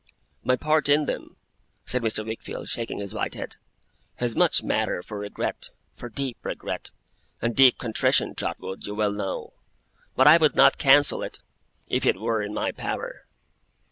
'My part in them,' said Mr. Wickfield, shaking his white head, 'has much matter for regret for deep regret, and deep contrition, Trotwood, you well know. But I would not cancel it, if it were in my power.